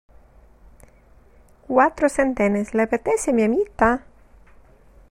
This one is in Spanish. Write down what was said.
cuatro centenes, ¿ le apetece a mi amita?